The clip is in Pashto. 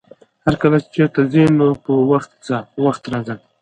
هرکله چې چېرته ځې نو په وخت ځه، په وخت راځه!